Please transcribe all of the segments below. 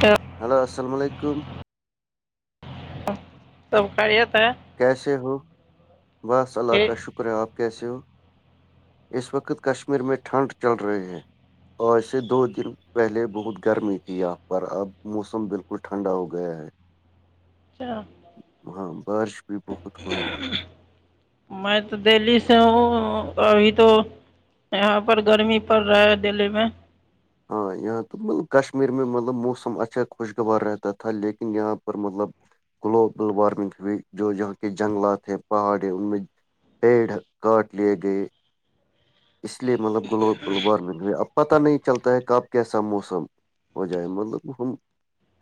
تو ہلو السلام علیکم سب خیریت ہیں کیسے ہو بس اللہ ٹھیک کا شکر ہے آپ کیسے ہو اس وقت کشمیر میں ٹھنڈ چل رہی ہے آج سے دو دن پہلے بہت گرمی تھی یہاں پر اب موسم بالکل ٹھنڈا ہو گیا ہے اچھا ہاں بارش بھی بہت ہوئی میں تو دہلی سے ہوں ابھی تو یہاں پر گرمی پڑ رہا ہے دللی میں ہاں یہاں تو مطلب کشمیر میں مطلب موسم اچھا خوشگوار رہتا تھا لیکن یہاں پر مطلب گلوبل وارمنگ ہوئی جو یہاں کے جنگلات ہیں پہاڑ ہیں ان میں پیڑ کاٹ لیے گئے اس لیے مطلب گلوبل وارمنگ ہوئی اب پتاہ نہیں چلتا ہے کہب کیسا موسم ہو جائے مطلب ہم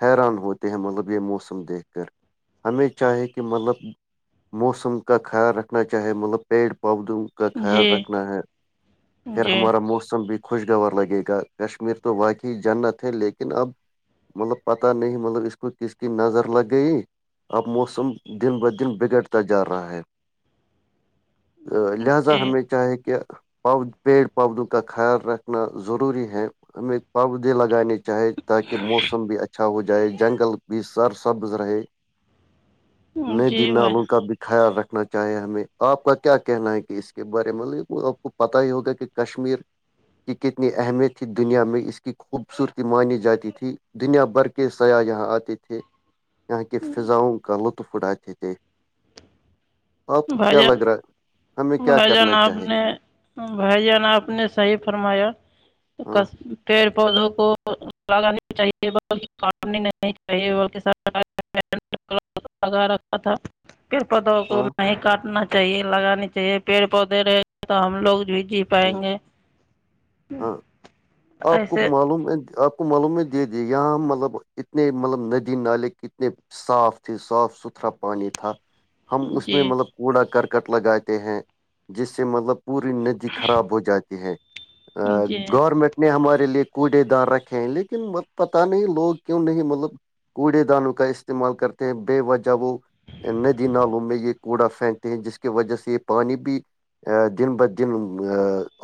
حیران ہوتے ہیں مطلب یہ موسم دیکھ کر ہمیں چاہے کہ مطلب موسم کا خیال رکھنا چاہے مطلب پیڑ پودوں کا خیال جی رکھنا ہے پھر جی ہمارا موسم بھی خوشگوار لگے گا کشمیر تو واقعی جنت ہے لیکن اب مطلب پتاہ نہیں مطلب اس کو کس کی نظر لگ گئی اب موسم دن بہ دن بگڑتا جار رہا ہے لہذا جی ہمیں چاہیے کہ پو پیڑ پودوں کا خیال رکھنا ضروری ہے ہمیں پودے لگانے چاہے تاکہ موسم بھی اچھا ہو جائے جنگل بھی سرسبز رہے جی ندی نالوں بھائی کا بھی خیال رکھنا چاہے ہمیں آپ کا کیا کہنا ہے کہ اس کے بارے میںطب پت ہی ہوگا کہ کشمیر کی کتنی اہمیت تھی دنیا میں اس کی خوبصورتی مانی جاتی تھی دنیا بھر کے سیاح یہاں آتے تھے یہاں کی فضاؤں کا لطف اٹھاتے تھے آپ کو بھائی کیا جان لگ رہا ہمیں کیا بھائی جان کرنا آپ چاہے نے بھائی جان آپ نے صحیح فرمایا ک ہاں پیڑ پودوں کو چاہیے چاہیے [unintelligible] لگا ر [unintelligible] ا تھا پپت ہو کو ہاں [unintelligible] نہیں کاٹنا چاہیے لگانی چاہیے پیڑ پودے رہے گ تو ہم لوگ بھی جی صحیح پائیں گے ہاں آپ کو ایسے معلوم ہے آپ کو ملوم میں دے دیے یہاں مطلب اتنے مطلب ندی نالے کتنے صاف تھی صاف ستھرا پانی تھا تھا ہم اس میں جی مطلب کوڑا کرکٹ لگاتے ہیں جس سے مطلب پوری ندی خراب ہو جاتی ہیں جی گورنمنٹ نے ہمارے لیے کوڑے دار رکھے ہیں لیکن پتہ نہیں لوگ کیوں نہیں مطلب کوڑے دانوں کا استعمال کرتے ہیں بے وجہ وہ ندی نالوں میں یہ کوڑا پھینکتے ہیں جس کی وجہ سے یہ پانی بھی دن بہ دن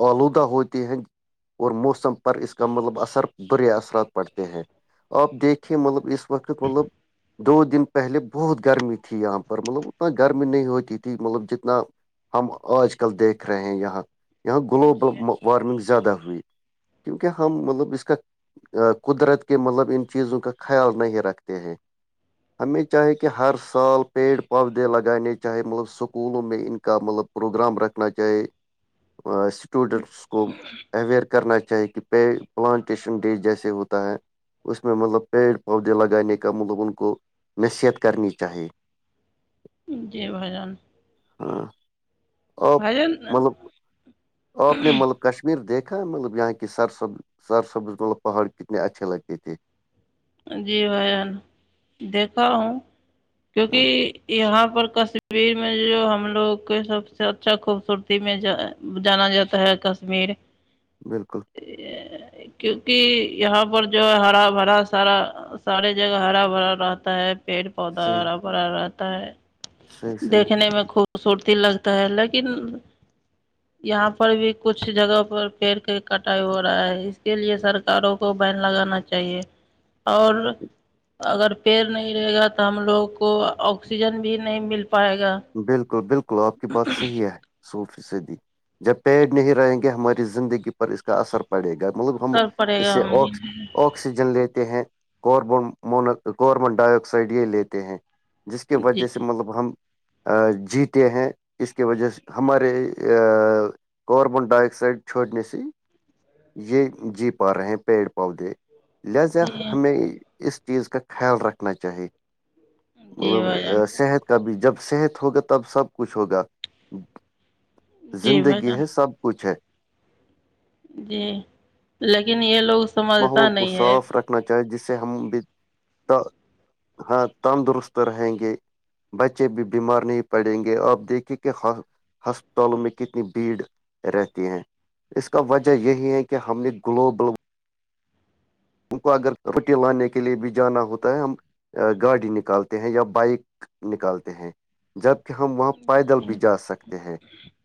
آلودہ ہوتے ہیں اور مفت پر اس کا مطلب اثر برے اثرات پڑتے ہیں آپ دیکھیے مطلب اس وقت مطلب دو دن پہلے بہت گرمی تھی یہاں پر مطلب اتنا گرمی نہیں ہوتی تھی مطلب جتنا ہم آج کل دیکھ رہے ہیں یہاں یہاں گلوبل جی وارمنگ زیادہ ہوئی کیونکہ ہم مطلب اس کا قدرت کے مطلب ان چیزوں کا خیال نہیں رکھتے ہیں ہمیں چاہے کہ ہر سال پیڑ پودے لگانے چاہے مطلب سکولوں میں ان کا مطلب پروگرام رکھنا چاہے اسٹوڈنٹس کو اوئیر کرنا چاہے کہ پے پلانٹیشن ڈے جیسے ہوتا ہے اس میں مطلب پیڑ پودے لگانے کا مطلب ان کو نصیحت کرنی چاہیے [inaudible] جی بھائی جان ہاں آپ بھائی مطلب جان آپ نے ملب کشمیر دیکھ مطلب یہاں کی سرسب سرسب مطلب پہاڑ کتنے اچھے لگتے تھے جی بھائی جان دیکھا ہوں ہاں کیونکہ یہاں پر کش کشمیر میں جو ہم لوگ کے سب سے اچھا خوبصورتی میں ج جانا جاتا ہے کشمیر بالکل کیونکہ یہاں پر جو ہے ہرا بھرا سارا ساریے جگہ ہرا بھرا رہتا ہے پیڑ پودا صحیح ہرا بھرا رہتا ہے صحیح صحیح دیکھنے میں خوبصورتی لگتا ہے لیکن [inaudible] یہاں پر بھی کچھ جگہ پر پیڑ کا کٹائی ہو رہا ہے اس کے لیے سرک کاروں کو بین لگانا چاہیے اور اگر پیڑ نہیں رہے گا تو ہم لوگوں کو آکسیجن بھی نہیں مل پائے گا بالکل بالکل آپ کی بات صحیح ہے سو فیصدی جب پیڑ نہیں رہیں گے ہماری زندگی پر اس کا اثر پڑے گا مطلب ہم اثر پڑے اس سے گا اک ہم اوک آکسیجن لیتے ہیں کارب م کاربن ڈائی آکسائڈ یہ لیتے ہیں جس کی جی وجہ سے مطلب ہم جیتے ہیں اس کی وجہ سے ہمارے کاربن ڈائی آکسائڈ چھوڑنے سے یہ جی پا رہے ہیں پیڑ پودے لہاذا جی ہمیں اس چیز کا خیال رکھنا چاہیے جی مطلب بھائی جان صحت کا بھی جب صحت ہوگا تب سب کچھ ہوگا جی بھائی زندگی جان ہے سب کچھ ہے جی لیکن یہ لوگ سمجھتا نہیں ہے نا چاہیے جس سے ہم بھی ہاں تندرست رہیں گے بچے بھی بیمار نہیں پڑیں گے آپ دیکھیے کہ ہسپتالوں میں کتنی بھیڑ رہتی ہیں اس کا وجہ یہی ہے کہ ہم نے گلوبل ان کو اگر رٹی لانے کے لیے بھی جانا ہوتا ہے ہم گاڑی نکالتے ہیں یا بائک نکالتے ہیں جبکہ ہم وہاں پیدل بھی جا سکتے ہیں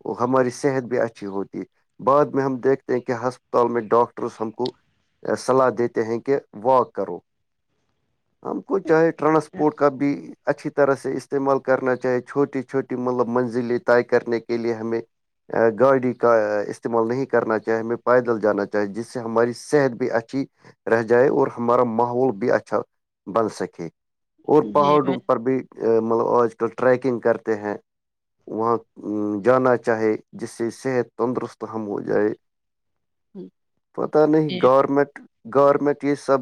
وہ ہماری صحت بھی اچھی ہوتی ہے بعد میں ہم دیکھتے ہیں کہ ہسپتال میں ڈاکٹرس ہم کو صلاح دیتے دیتے ہیں کہ وہ کرو ہم کو چاہے ٹرانسپورٹ کا بھی اچھی طرح سے استعمال کرنا چاہے چھوٹی چھوٹی مطلب منزل طے کرنے کے لئے ہمیں گاڑی کا استعمال نہیں کرنا چاہے ہمیں پیدل جانا چاہے جس سے ہماری صحت بھی اچھی رہ جائے اور ہمارا ماحول بھی اچھا بن سکے اور جی بھائی پہاڑوں پر بھی مطلب آج کل ٹریکنگ کرتے ہیں وہاں جانا چاہے جس سے صحت تندرست ہمم ہو جائے [inaudible] پتہ نہیں جی گورمنٹ گورمنٹ یہ سب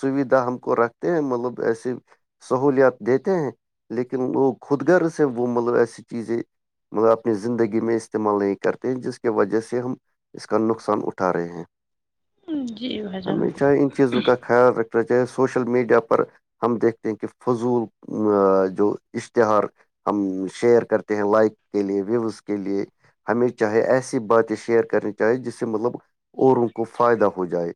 سویدھا ہم کو رکھ ہیں مطلب ایسے سہولیات دیتے ہیں لیکن لوگ خود غرض سے وہ ملویسی چیزیں مطلب اپنی زندگی میں استعمال نہیں کرتے ہیں جس کی وجہ سے ہم اس کا نقصان اٹھا رہے ہیں جی بھائی جان ہمیشہ ان چیزوں کا خیال رکھنا چاہے سوشل میڈیا پر ہم دیکھتے ہیں کہ فضول جو اشتہار ہم شیئر کرتے ہیں لائک کے لیے ویوز کے لیے ہمیں چاہے ایسی باتیں شیئر کرنی چاہی جس سے مطلب اوروں کو فائدہ ہو جائے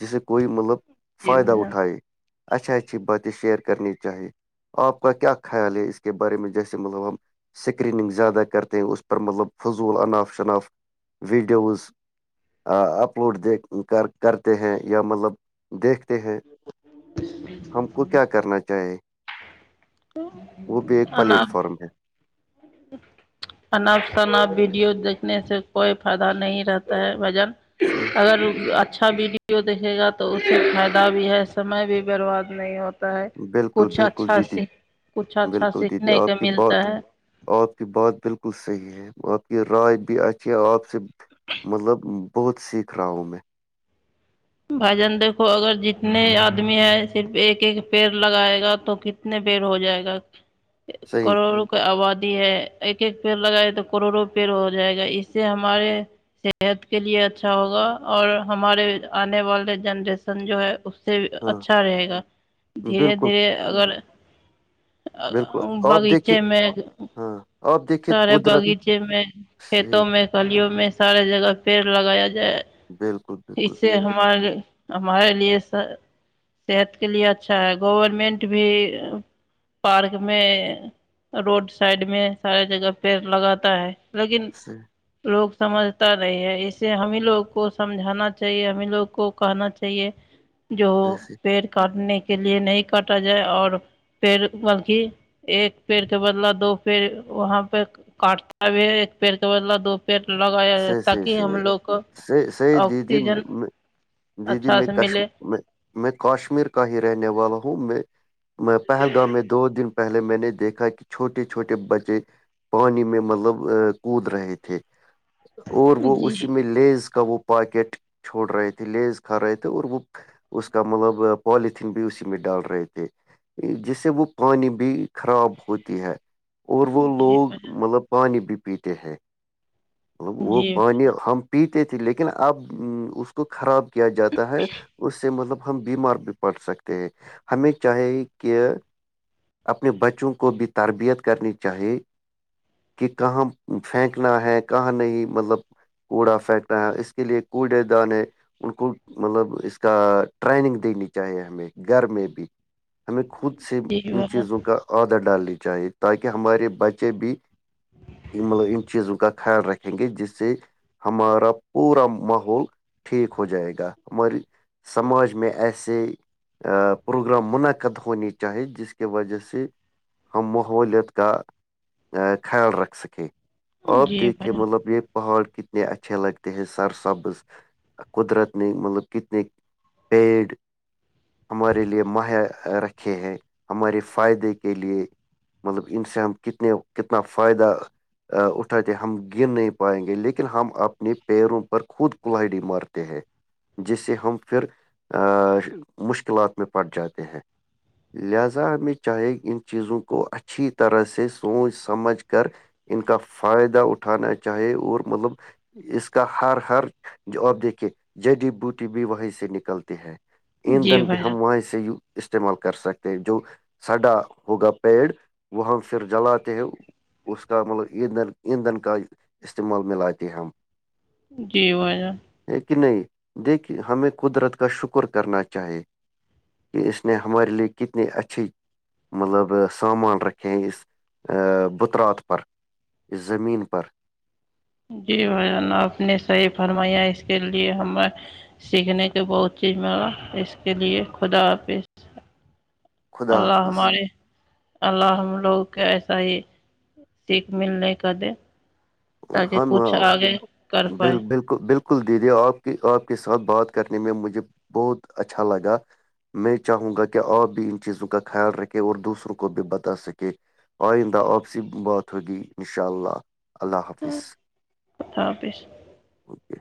جسے کوئی مطلب جی فائدہ بھائی جان اٹھائے اچھی اچھی باتیں شیئر کرنی چاہے آپ کا کیا خیال ہے اس کے بارے میں جیسے ملام سکریننگ زیادہ کرتے ہیں اس پر مطلب فضول انناف شناف ویڈیوز اپلوڈ د کر کرتے ہیں یا مطلب دیکھتے ہیں [inaudible] ہم کو کیا کرنا چاہے وہ بھی ایک اور پلیٹ فارم ہے [inaudible] انناپ شناپ ویڈیو دیکھنے سے کوئی فائدہ نہیں رہتا ہے بھائی جن [inaudible] اگر اچھا ویڈیو دیکھے گا تو اس سے فائدہ بھی ہے سمے بھی برباد نہیں ہوتا تا بالکل کچھ بالکل اچھا س دیدی کچھ اچھا بالکل دیدی سیکھنے کے آپ کی ملتا بات ہے آپ کی بات بالکل صحیح ہے آپ کی رائے بھی اچھی ہے آپ سے مطلب بہت سیکھ رہا ہوں میں بھائی جان دیکو اگر جتنے آدمی ہیں صرف ایک ایک پیڑ لگائے گا تو کہ کتنے بیر ہو جائے گا [inaudible] [unintelligible] کوئی آبادی ہے ایک ایک پیڑ لگائے تو کروڑوں پیڑ ہو جائے گا اس سے ہمارے صحت کے لیے اچھا ہوگا اور ہمارے آنے والے جنریشن جو ہے اس سے ہاں اچھا رہے گا دھیرے بالکل دھیرے اگر بالکل آپ دیکھیے باغیچے میں ہاں آپ دیکھیے سارے قدرت باغیچے میں کھیتوں صحیح میں کالیوں میں سارے جگہ پیڑ لگایا جائے بالکل بالکل اسے ہمار ہمارے لیے صحت کے لیے اچھا ہے گورمنٹ بھی پارک میں روڈ سائڈ میں سارے جگہ پیڑ لگاتا ہے لیکن صحیح لوگ سمجھتا رہے ہے اسے ہمیں لوگ کو سمجھانا چاہیے ہمیں لوگ کو کہنا چاہیے [inaudible] جو صحیح پیڑ کاٹنے کے لیے نہیں کاٹا جائے اور پیڑ مطلک ایک پیڑ کے بدلا دو پیڑ وہاں پہ کاٹتا بھی ہے ایک پیڑ کا بدلہ دو پیٹ لگایا صحیح صحیح تاکہ ہم صحیح لوگ صحیح صحیح آکسیجن دیدی جی جی اچھا میں سے ملے کاشمیر میں کاشمیر کا ہی رہنے والا ہوں میں پہلگام میں دو دن پہلے میں نے دیکھا کہ چھوٹے چھوٹے بچے پانی میں مطلب کود رہے تھے اور وہ جی اسی میں لیز کا وہ پاکٹ چھوڑ رہے تھے لیز کھا رہے تھے اور وہ اس کا مطلب پوالتھین بھی اسی میں ڈال رہے تھے جس سے وہ پانی بھی خراب ہوتی ہے اور وہ جی لوگ بھائی مطلب پانی بھی پیتے ہیں مب وہ جی پانی ہم پیتے تھے لیکن اب اس کو خراب کیا جاتا ہے اس سے مطلب ہم بیمار بھی پڑ سکتے ہیں ہمیں چاہے کہ اپنے بچوں کو بھی تربیت کرنی چاہیے کہ کہاں پھینکنا ہے کہاں نہیں مطلب کوڑا پھینک رہ ہے اس کے لیے کوڑے دانے ان کو مطلب اس کا ٹریننگ دینی چاہیے ہمیں گھر میں بھی ہمیں خود سے جی ان بھائیان چیزوں کا آادر ڈالنی چاہیے تاکہ ہمارے بچے بھی مطلب ان چیزوں کا خیال رکھیں گے جس سے ہمارا پورا محول ٹھیک ہو جائے گا ہماری سماج میں ایسے پروگرام منعقد ہونی چاہیے جس کی وجہ سے ہم ماحولیت کا خیال رکھ سکیں آپ جی دیکھیں بھائیان یہ پہاڑ کتنے اچھے لگتے ہیں سر سبز قدرت نے مطلب کتنے پیڈ ہمارے لیے مہیا رکھے ہیں ہمارے فائدے کے لیے مطلب ان سے ہم کتنے کتنا فائدہ اٹھاتے ہم گن نہیں پائیں گے لیکن ہم اپنے پیروں پر خود کولاڈی مارتے ہیں جس سے ہم پھر مشکلات میں پڑ جاتے ہیں لہذا ہمیں چاہے ان چیزوں کو اچھی طرح سے سوچ سمجھ کر ان کا فائدہ اٹھانا چاہے اور مطلب اس کا ہر ہر اور دیکھیے جڈی بوٹی بھی وہیں سے نکلتے ہے جی ایندھن بھی ہم بھائیان وہاں سے ہی استعمال کر سکتے ہیں جو سڈا ہوگا پیڑ وہ ہم پھر جلاتے ہیں اس کا مطلب ایندھ ایندھن کا استعمال میں لاتے ہم جی بھائی جان ہے کہ نہیں دیکھے ہمیں قدرت کا شکر کرنا چاہیے کہ اس نے ہمارے لیے کتنی اچھی مطلب سامان رکھیں اس بترات پر اس زمین پر پر جی بھائی جان اپ نے صحیح فرمایا اس کے لیے ہمیں سیکھنے کے بہت چیز مگلا اس کے لیے خدا حافظ خدا اللہ حافظ ہمارے اللہ ہم لوگ کے ایسا ہی سیک ملنے کا دے تاکہ ہم کچھ آگے کر پائے بال بالکل بالکل دیدی آپ کے آپ کے ساتھ بات کرنے میں مجھے بہت اچھا لگا میں چاہوں گا کہ آپ بھی ان چیزوں کا خیال رکھے اور دوسروں کو بھی بتا سکے آئیندہ آپ سے بات ہوگی انشاء اللہ اللہ حافظ خدا حافظ اوکے